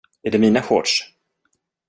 Är det mina shorts?